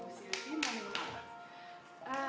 bu sylvi manis banget